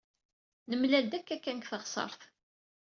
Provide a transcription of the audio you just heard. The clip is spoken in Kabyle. Nemlal-d akka kan deg teɣsert.